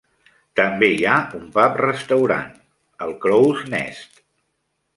També hi ha un pub restaurant, el Crow's Nest.